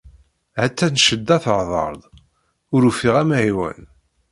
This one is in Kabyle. Ha-tt-an ccedda teḥḍer-d, ur ufiɣ amɛiwen.